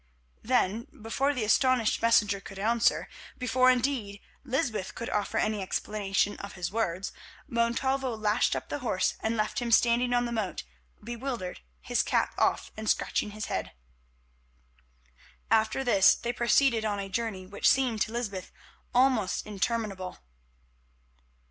Then, before the astonished messenger could answer; before, indeed, Lysbeth could offer any explanation of his words, Montalvo lashed up the horse and left him standing on the moat bewildered, his cap off and scratching his head. After this they proceeded on a journey which seemed to Lysbeth almost interminable.